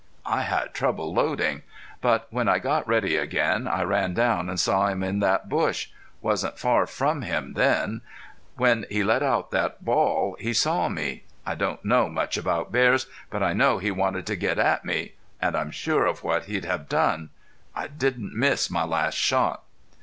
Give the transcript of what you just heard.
I had trouble loading. But when I got ready again I ran down and saw him in that bush. Wasn't far from him then. When he let out that bawl he saw me. I don't know much about bears, but I know he wanted to get at me. And I'm sure of what he'd have done.... I didn't miss my last shot."